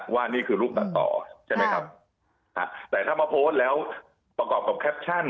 ว่านี่คือรูปตัดต่อใช่ไหมครับแต่ถ้ามาโพสต์แล้วประกอบกับแคปชั่น